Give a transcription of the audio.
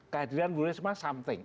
kehadiran buruhnya cuma something